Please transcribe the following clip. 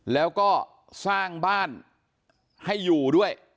แล้วก็สร้างบ้านให้อยู่ด้วย